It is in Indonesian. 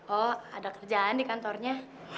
oh ada kerjaan di kantornya